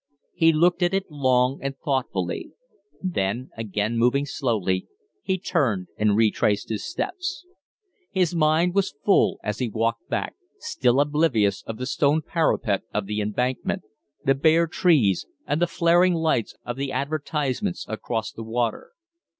He looked at it long and thoughtfully; then, again moving slowly, he turned and retraced his steps. His mind was full as he walked back, still oblivious of the stone parapet of the Embankment, the bare trees, and the flaring lights of the advertisements across the water.